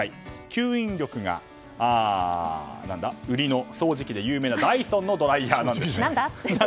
吸引力が売りの掃除機で有名なダイソンのドライヤーなんです。